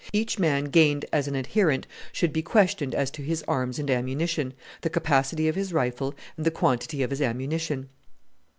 Each man gained as an adherent should be questioned as to his arms and ammunition, the capacity of his rifle, and the quantity of his ammunition.